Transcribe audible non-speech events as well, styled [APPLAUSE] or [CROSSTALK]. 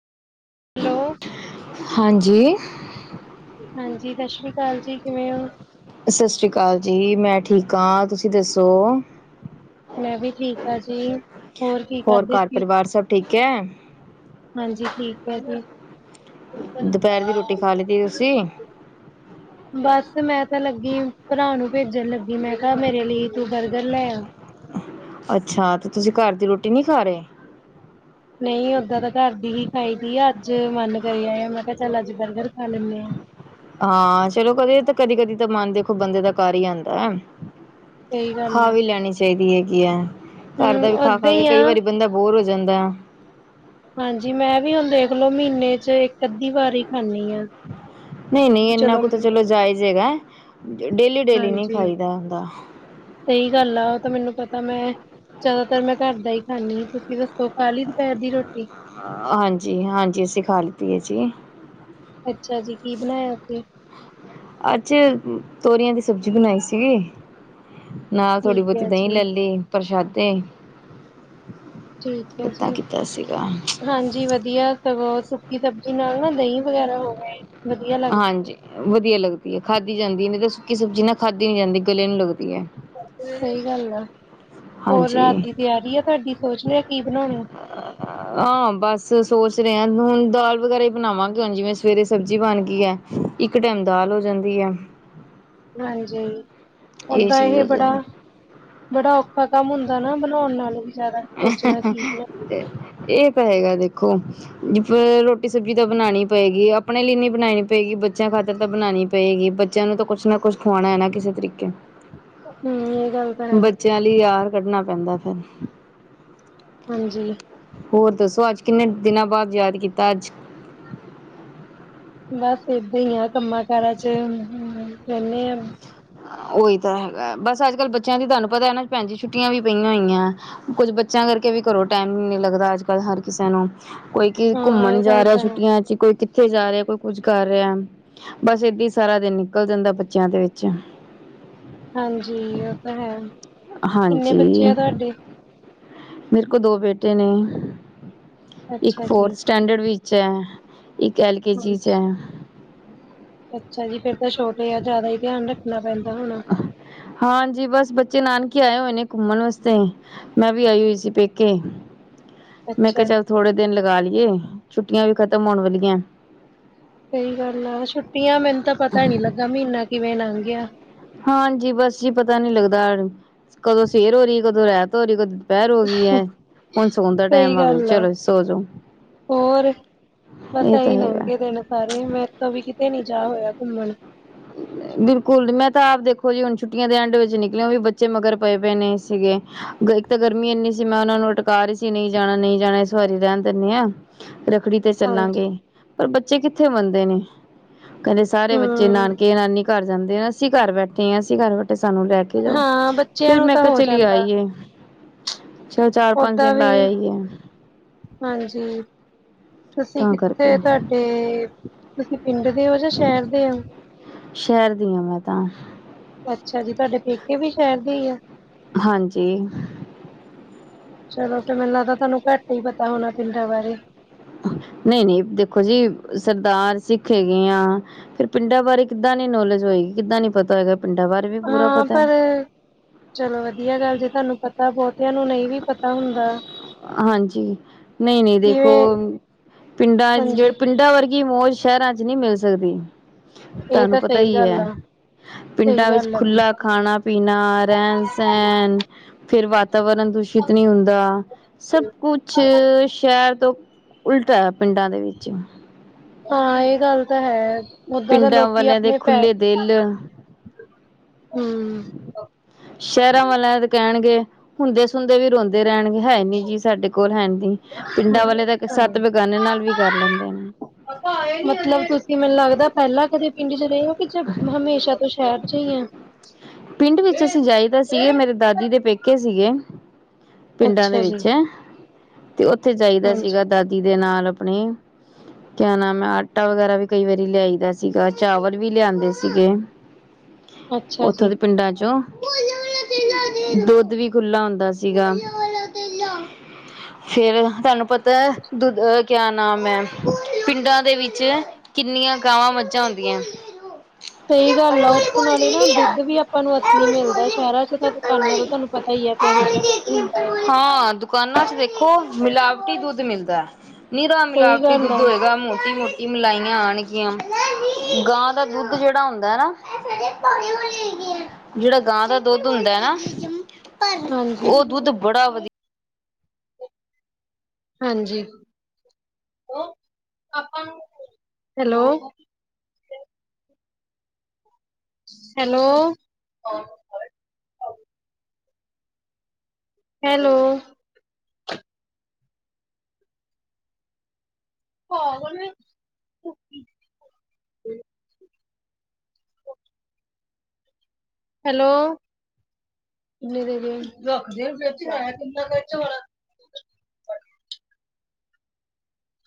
Hello! ਹਾਂਜੀ! ਹਾਂਜੀ ਸਤਿ ਸ੍ਰੀ ਅਕਾਲ, ਜੀ ਕਿਵੇਂ ਓ? ਸਤਿ ਸ਼੍ਰੀ ਅਕਾਲ ਜੀ। ਮੈਂ ਠੀਕ ਆ, ਤੁਸੀਂ ਦੱਸੋ? ਮੈਂ ਵੀ ਠੀਕ ਆ ਜੀ। ਕੀ ਹੋਰ ਕਰਦੇ ਘਰ ਸੀ ਪਰਿਵਾਰ ਸਭ ਠੀਕ ਐ? ਹਾਂਜੀ, ਠੀਕ ਏ ਜੀ। ਦੁਪਹਿਰ ਦੀ ਰੋਟੀ ਖਾ ਲਤੀ ਤੁਸੀਂ? [UNINTELLIGIBLE] ਬਸ ਮੈਂ ਤਾਂ ਲੱਗੀ, ਭਰਾ ਨੂੰ ਭੇਜਣ ਲੱਗੀ, ਮੈਂ ਕਿਹਾ ਮੇਰੇ ਲਈ ਤੂੰ ਬਰਗਰ ਲੈ ਆ। ਅੱਛਾ! ਤੇ ਤੁਸੀਂ ਘਰ ਦੀ ਰੋਟੀ ਨਹੀਂ ਖਾ ਰਹੇ? ਨਹੀਂ ਓਦਾਂ ਤਾਂ ਘਰ ਦੀ ਹੀ ਖਾਈ ਦੀ ਆ, ਅੱਜ ਮਨ ਕਰ ਆਇਆ, ਮੈਂ ਕਿਹਾ ਚੱਲ ਅੱਜ ਬਰਗਰ ਖਾ ਲੈਂਨੇ ਆ। ਹਾਂ, ਚਲੋ ਕਦੇ ਤਾਂ ਕਦੀ- ਕਦੀ ਤਾਂ ਮਨ ਦੇਖੋ ਬੰਦੇ ਦਾ ਕਰ ਹੀ ਆਂਦਾ। ਸਹੀ ਗੱਲ ਖਾ ਆ ਵੀ ਲੈਣੀ ਚਾਹੀਦੀ ਹੈਗੀ ਐ, ਘਰ ਹਮ ਦਾ ਵੀ ਖਾ- ਓਦਾਂ ਖਾ ਕੇ ਹੀ ਆ ਕਈ ਵਾਰੀ ਬੰਦਾ ਬੋਰ ਹੋ ਜਾਂਦਾ। ਹਾਂਜੀ, ਮੈਂ, ਵੀ ਹੁਣ ਦੇਖਲੋ, ਮਹੀਨੇ ਚ ਇੱਕ ਅੱਧੀ ਵਾਰੀ ਖਾਂਦੀ ਆ। ਨਹੀਂ, ਨਹੀਂ ਇੰਨਾ ਕੁਤੇ ਚਲੋ ਜਾਇਜ਼ ਹੈਗਾ। ਡੇਲੀ- ਡੇਲੀ ਨਹੀਂ ਹਾਂਜੀ ਖਾਈਦਾ ਹੁੰਦਾ। ਸਹੀ ਗੱਲ ਆ, ਉਹ ਤਾਂ ਮੈਨੂੰ ਪਤਾ ਮੈਂ, ਜ਼ਿਆਦਾਤਰ ਮੈਂ ਘਰ ਦਾ ਹੀ ਖਾਂਨੀ, ਤੁਸੀਂ ਦੱਸੋ ਖਾਲੀ ਦੁਪਹਿਰ ਦੀ ਰੋਟੀ? ਅ ਹਾਂਜੀ, ਹਾਂਜੀ ਖਾ ਲਿੱਤੀ ਏ ਜੀ। ਅੱਛਾ ਜੀ, ਕੀ ਬਣਾਇਆ ਫਿਰ? ਅੱਜ, ਤੋਰੀਆਂ ਦੀ ਸਬਜ਼ੀ ਬਣਾਈ ਸੀਗੀ। ਨਾਲ ਥੋੜ੍ਹੀ ਠੀਕ ਬਹੁਤੀ ਹੈ ਦੇਹੀਂ ਜੀ ਲੈ ਲਈ ਪ੍ਰਸ਼ਾਦੇ ਠੀਕ ਹੈ ਜੀ ਏਦਾਂ ਕੀਤਾ ਸੀਗਾ ਹਾਂਜੀ ਵਧੀਆ ਵਧੀਆ ਸੁੱਕੀ ਸਬਜ਼ੀ ਨਾਲ ਨਾ ਦਹੀਂ ਵਗੈਰਾ ਹੋ ਗ੍ਹ ਹਾਂਜੀ ਵਧੀਆ ਲੱਗਦੀ ਹੈ, ਖਾਧਦੀ ਜਾਂਦੀ ਨਹੀਂ ਤਾਂ ਸੁੱਕੀ ਸਬਜ਼ੀ ਨਾ ਖਾਧੀ ਨੀ ਜਾਂਦੀ ਗਲੇ ਨੂੰ ਲੱਦੀ ਹੈ ਸਹੀ ਗੱਲ ਆ ਹੋਰ ਰਾਤ ਹਾਂਜੀ ਦੀ ਤਿਆਰੀ ਆ ਤੁਹਾਡੀ ਸੋਚ ਲਿਆ ਕੀ ਬਣਾਉਣਾ ਹਾਂ ਬਸ ਸੋਚ ਰਹੇ ਹਾਂ ਹੁਣ ਦਾਲ ਵਗੈ਼ਭ੍ਹਰਾ ਹੀ ਬਣਾਵਾਂਗੇ ਹੁਣ ਜਿਵੇਂ ਸਵੇਰੇ ਸਬਜ਼ੀ ਬਣ ਗਈ ਹੈ। ਇੱਕ ਟਾਈਮ ਦਾਲ ਹੋ ਜਾਂਦੀ ਹੈ। ਹਾਂਜੀ ਦਾ ਚੀਜ਼ ਇਹ ਹੋ ਬੜਾ ਜਾਂਦੀ ਬੜਾ ਔਖਾ ਕੰਮ ਹੁੰਦਾ ਨਾ ਬਣਾਉਣ ਨਾਲੋਂ ਵੀ ਜ਼ਦਾ ਇਹ ਤਾਂ ਹੈਗਾ ਦੇਖੋ, ਜ ਰੋਟੀ ਸਬਜ਼ੀ ਤਾਂ ਬਣਾਉਣੀ ਪਏਗੀ ਆਪਣੇ ਲਈ ਨਹੀਂੀ ਬਣਾਉਣੀ ਪਏਗੀ ਬੱਚਿਆਂ ਖਾਤਰ ਤਾਂ ਬਣਾਉਣੀ ਪਏਗੀ‌ ਬੱਚਿਆਂ ਨੂੰ ਤਾਂ ਕੁੱਛ ਨਾ ਕੁੱਛ ਖੁਵਾਉਣਾ ਹੈ ਨਾ ਕਿਸੇ ਤਰੀਕੇ ਹਮ ਇਹ ਗੱਲ ਤਾਂ ਬੱਚਿਆਂ ਲਈ ਆਰ ਕੱਢਣਾ ਪੈਂਦਾ ਫਿਰ ਹਾਂਜੀ। ਹੋਰ ਦੱਸੋ ਅੱਜ ਕਿੰਨੇ ਦਿਨਾਂ ਬਾਅਦ ਯਾਦ ਕੀਤਾ ਅੱਜ ਬਸ ਏਦਾਂ ਹੀ ਆ ਕੰਮਾਂ ਕਾਰਾਂ ਚ ਰਹਿੰਦੇ ਹਾਂ। ਉਹੀ ਤਾਂ ਹੈਗਾ ਬਸ ਅੱਜ-ਕੱਲ੍ਹ ਬੱਚਿਆਂ ਦੀ ਤੁਹਾਨੂੰ ਪਤਾ ਹੈ ਨਾ ਭੈਣ ਜੀ ਛੁੱਟ ਵੀ ਪਈਆਂ ਹੋਈਆਂ। ਕੁੱਝ ਬੱਚਿਆਂ ਕਰਕੇ ਵੀ ਕਰੋ, ਟਾਈਮ ਨ ਨੀ ਲੱਗਦਾ ਅੱਜ-ਕੱਲ੍ਹ ਹਰ ਕਿਸੇ ਨੂੰ। ਕੋਈ ਕੀ ਹਾਂ ਘੁੰਮਣ ਇਹ ਜਾ ਗੱਲ ਰਿਹਾ ਤਾਂ ਹੈ ਛੁੱਟੀਆਂ ਚ ਕੋਈ ਕਿ ਕਿੱਥੇ ਜਾ ਰਿਹਾ ਕੋਈ ਕੁੱਝ ਕਰ ਰਿਹਾ, ਬਸ ਏਦ ਸਾਰਾ ਦਿਨ ਨਿਕਲ ਜਾਂਦਾ ਬੱਚਿਆਂ ਦੇ ਵਿੱਚ ਹਾਂਜੀ ਉਹ ਤਾਂ ਹੈ। ਕਿੰਨੇ ਹਾਂਜੀ ਬੱਚੇ ਆ ਤੁਹਾਡੇ ਮੇਰੇ ਕੋਲ ਦੋ ਬੇਟੇ ਨੇ ਇੱਕ ਅੱਛਾ ਜੀ ਫੋਰਥ ਸਟੈਂਡਰਡ ਵਿੱਚ ਹੈ ਇੱਕ ਐਲ ਕੇ ਹਾਂ, ਜੀ ਚ ਹੈ। ਅੱਛਾ ਜੀ ਫੇਰ ਤਾਂ ਛੋਟੇ ਆ ਜ਼ਿਆਦਾ ਹੀ ਧਿਆਨ ਰੱਖਣਾ ਪੈਂਦਾ ਹੋਣਾ। ਹਾਂਜੀ ਬਸ ਬੱਚੇ ਨਾਨਕੇ ਆਏ ਹੋਏ ਨੇ ਘੁੰਮਣ ਵਾਸਤੇ ਮੈਂ ਵੀ ਆਈ ਹੋਈ ਸੀ ਪੇਕੇ ਮੈਂ ਕਿਹਾ ਅੱਛਾ ਚੱਲ ਥੋੜੇ ਦਿਨ ਲਗਾ ਲਈਏ ਛੁੱਟੀਆਂ ਵੀ ਖ਼ਤਮ ਹੋਣ ਵਾਲੀਆਂ। ਸਹੀ ਗੱਲ ਆ ਛੁੱਟੀਆਂ, ਮੈਨੂੰ ਤਾਂ ਪਤਾ ਨੀ ਲੱਗਾ ਮਹੀਨਾ ਕਿਵੇਂ ਨੰਘ ਗਿਆ। ਹਾਂਜੀ ਬਸ ਜੀ ਪਤਾ ਨੀ ਲੱਗਦਾ, ਕਦੋਂ ਸਵੇਰ ਹੋ ਰਹੀ ਕਦੋਂ ਰੈਤ ਹੋ ਰਹੀ ਕ ਦੁਪਹਿਰ ਹੋ ਗਈ ਹੈ, ਹੁਣ ਸੋਣ ਦਾ ਸਹੀ ਟੈਮ ਆ ਗ ਗੱਲ ਚਲੋ ਸੋ ਜੋ ਹੋਰ ਬਸ ਇਹੀ ਲੰਗੇ ਦਿਨ ਸਾਰੇ ਮੇਤੋ ਵੀ ਕਿਤੇ ਨੀ ਜਾ ਹੋਇਆ ਘੁੰਮਣ ਬਿਲਕੁਲ ਮੈਂ ਤਾਂ ਆਪ ਦੇਖੋ ਜੀ, ਹੁਣ ਛੁੱਟੀਆਂ ਦੇ ਐਂਡ ਵਿੱਚ ਨਿਕਲੇਓ ਵੀ ਬੱਚੇ ਮਗਰ ਪਏ ਪੲ ਨੇ ਸੀਗੇ। ਇੱਕ ਤਾਂ ਗਰਮੀ ਇੰਨੀ ਸੀ, ਮੈਂ ਉਹਨਾ ਨੂੰ ਅਟਕਾ ਰਹੀ ਸੀ ਨਹੀਂ ਜਾਣਾ ਨਹੀਂ ਜਾਣਾ ਇਸ ਵਾਰੀ ਰਹਿਣ ਦਿੰਣੇ ਆਂ [INAUDIBLE] ਰੱਖੜੀ ਤੇ ਹਾਂਜੀ ਚੱਲਾਂਗੇ ਪਰ ਬੱਚੇ ਕਿੱਥੇ ਮੰਨਦੇ ਨੇ ਕਹਿੰਦੇ ਸਾਰੇ ਬੱਚੇ ਹਮ ਨਾਨਕ ਨਾਨੀ ਘਰ ਜਾਂਦੇ ਆ, ਅਸੀਂ ਘਰ ਬੈਠੇ ਹਾਂ, ਅਸੀਂ ਘਰ ਬੈਠੇ ਸਾਨੂੰ ਲੈ ਕੇ ਜਾਓ ਹਾਂ ਬੱਚਿਆਂ ਫੇਰ ਨੂੰ ਮੈਂ ਤਾਂ ਕਿਹਾ ਹੋ ਚਲੀ ਜਾਂਦਾ ਆਈਏ। ਚੱਲ ਚਾਰ- ਪੰਜ ਓਦਾਂ ਦਿਨ ਲਾ ਵੀ ਆਇ ਏ ਹਾਂਜੀ ਤੁਸੀਂ ਕਿੱਥੇ ਤੁਹਾਡੇ ਤੁਸੀਂ ਪਿੰਡ ਦੇ ਹੋ ਜਾਂ ਸ਼ਹਿਰ ਦੇ ਹੋ। ਸ਼ਹਿਰ ਦੀ ਹਾਂ ਮੈਂ ਤਾਂ ਅੱਛਾ ਜੀ ਤੁਹਾਡੇ ਪੇਕੇ ਵੀ ਸ਼ਹਿਰ ਦੇ ਹੀ ਆ। ਹਾਂਜੀ ਚਲੋ ਫ ਮੈਨੂੰ ਲੱਗਦਾ ਤੁਹਾਨੂੰ ਘੱਟ ਹੀ ਪਤਾ ਹੋਣਾ ਪਿੰਡਾਂ ਬਾਰੇ ਨਹੀਂ-ਨਹੀਂ ਦੇਖੋ ਜੀ ਸਰਦਾਰ ਸਿੱਖ ਹੈਗੇ ਆ ਫਿਰ ਪਿੰਡਾਂ ਬਾਰੇ ਕਿੱਦਾਂ ਨੀ ਨੌਲੇਜ ਹੋਏਗੀ ਕਿੱਦਾਂ ਨੀ ਪਤਾ ਹੋਏਗਾ ਪਿੰਡਾਂ ਬਾਰੇ ਵੀ ਪੂਰਾ ਹਾਂ ਪਤਾ ਪਰ ਹੈ। ਚਲੋ ਵਧੀਆ ਗੱਲ ਜੇ ਤੁਹਾਨੂੰ ਪਤਾ ਬਹੁਤਿਆਂ ਨੂੰ ਨਹੀਂ ਵੀ ਪਤਾ ਹੁੰਦਾ। ਹਾਂਜੀ ਨਹੀਂ-ਨਹੀਂ ਦੇਖੋ ਕਿਵੇਂ ਪਿੰਡਾਂ ਜਿਹੜੇ ਹਾਂਜੀ ਪਿੰਡਾਂ ਵਰਗ ਗੀ ਮੌਜ ਸ਼ਹਿਰਾਂ 'ਚ ਨਹੀਂ ਮਿਲ ਸਕਦੀ ਇਹ ਤੁਹਾਨੂੰ ਤਾਂ ਪਤਾ ਸਹੀ ਹੀ ਗੱਲ ਹੈ। ਆ ਸਹੀ ਪਿੰਡਾਂ ਵਿੱਚ ਗੱਲ ਆ ਖੁੱਲਾ ਬਿਲਕੁਲ ਖਾਣਾ ਪੀਣਾ ਰਹਿਣ ਸਹਿਣ ਫਿਰ ਵਾਤਾਵਰਨ ਦੂਸ਼ਿਤ ਨਹੀਂ ਹੁੰਦਾ ਸਭ ਕੁਛ ਸ਼ਹਿਰ ਤੋਂ ਉਲਟਾ ਹੈ ਪਿੰਡਾਂ ਦੇ ਵਿੱਚ ਹਾਂ ਇਹ ਗੱਲ ਤਾਂ ਹੈ ਊਦਾਂ ਤਾਂ ਪਿੰਡਾਂ ਲੋਕੀ ਵਾਲਿਆਂ ਦੇ ਆਪਣੇ ਪੈਣ ਖੁੱਲੇ ਦਿਲ ਹੂੰ ਸ਼ਹਿਰਾਂ ਵਾਲਿਆਂ ਤੇ ਕਹਿਣਗੇ ਹੁੰਦੇ ਸੁਦੇ ਵੀ ਰੋਂਦੇ ਰਹਿਣਗੇ ਹੈ ਨੀ ਜੀ ਸਾਡੇ ਕੋਲ ਹੈ ਨਹੀਂ ਪਿੰਡਾਂ ਵਾਲੇ ਤਾਂ ਸੱਤ ਬੇਗਾਨੇ ਨਾਲ ਵੀ ਕਰ ਲੈਂਦੇ ਨੇ। ਮਤਲਬ ਤੁਸੀਂ ਮੈਨੂੰ ਲੱਗਦਾ ਪਹਿਲਾਂ ਕਦੇ ਪਿੰਡ ਚ ਰਹੇ ਹੋ ਕਿ ਹਮੇਸ਼ਾ ਸ਼ਹਿਰ 'ਚ ਹੀ ਆ। ਪਿੰਡ ਵਿੱਚ ਅਸੀਂ ਜਾਈਦਾ ਸੀਗੇ ਮੇਰੇ ਦਾਦੀ ਦੇ ਪੇਕੇ ਸੀਗੇ। ਪਿੰਡਾਂ ਦੇ ਅੱਛਾ ਜੀ, ਵਿੱਚ ਤੇ ਉੱਥੇ ਜਾਈਦਾ ਹਾਂਜੀ ਸੀਗਾ ਦਾਦੀ ਦੇ ਨਾਲ ਆਪਣੀ [INAUDIBLE] ਕਿਆ ਨਾਮ ਹੈ ਆਟਾ ਵਗੈਰਾ ਵੀ ਕਈ ਵਾਰੀ ਲਿਆਈ ਦਾ ਸੀਗਾ ਚਾਵਲ ਵੀ ਲਿਆਦੇ ਸੀਗੇ। ਅੱਛਾ ਉੱਥੋਂ ਜੀ। ਦੀ ਪਿੰਡਾਂ 'ਚੋਂ ਦੁੱਧ ਵੀ ਖੁੱਲਾ ਹੁੰਦਾ ਸੀਗਾ। [INAUDIBLE] ਫਿਰ ਤੁਹਾਨੂੰ ਪਤੈ ਦੁਧ ਕਿਆ ਨਾਮ ਐ। ਪਿੰਡਾਂ ਦੇ ਵਿੱਚ ਕਿੰਨੀਆਂ ਗਾਵਾਂ- ਮੱਝਾਂ ਹੁੰਦੀਆਂ। ਸਹੀ ਚੱਪੜ ਗੱਲ ਆ, ਵਾਲੀ ਉੱਥੋਂ ਬੋਲ ਨਾਲੇ ਨਾ ਦੀ ਆ ਦੁੱਧ ਵੀ ਆਪ ਤੁਹਾਨੂੰ ਇਹ ਅਸਲੀ ਵਾਲੀ ਬੋਲ ਮਿਲਦਾ। ਨਹੀਂ, ਸ਼ਹਿਰਾਂ 'ਚ ਤਾਂ ਚੱਪੜ ਦੁਕਾਨਾਂ ਤੋਂ, ਵਾਲੀ ਤੁਹਾਨੂੰ ਪਤਾ ਈ ਆ। ਕਿਹੋ ਜਿਹਾ ਦੁੱਧ ਹੁੰਦਾ ਆ। ਹਾਂ! ਦੁਕਾਨਾਂ 'ਚ ਦੇਖੋ ਮਿਲਾਵਟੀ ਦੁੱਧ ਮਿਲਦਾ। ਨਿਰਾ ਸਹੀ ਮਿਲਾਵਟੀ ਗੱਲ ਦੁੱਧ ਆ ਹੋਏਗਾ। ਮੋਟੀ-ਮੋਟੀ ਮਿਲਾਈਆਂ ਆਣਗੀਆਂ। ਗਾਂ ਦਾ ਦੁੱਧ ਜੇਹੜਾ ਹੁੰਦਾ ਏ ਨਾ ਜੇਹੜਾ ਗਾਂ ਦਾ ਦੁੱਧ ਹੁੰਦਾ ਐ ਨਾ। ਹਾਂਜੀ ਉਹ ਦੁੱਧ ਬੜਾ ਵਧੀਆ ਹਾਂਜੀ, ਉਹ ਆਪਾ ਨੂੰ। ਹੈਲੋ! ਹੈਲੋ। ਹੈਲੋ। [UNINTELLIGIBLE] ਹੈਲੋ! ਮੇਰੇ ਲੀਏ। ਰੱਖਦੇ ਏਨੂੰ ਫਰਿਜ਼ 'ਚ ਹੈ ਕਿੰਨਾ ਕ ਏਦੇ 'ਚ ਹੋਰ।